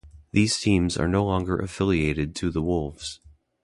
These teams are no longer affiliated to the Wolves.